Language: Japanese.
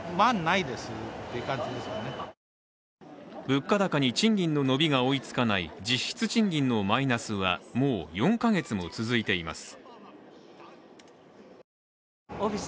物価高に賃金の伸びが追いつかない実質賃金のマイナスはもう４か月も続いています。